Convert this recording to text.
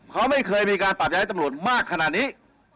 เขาไม่เคยมีการปรับย้ายตำรวจมากขนาดนี้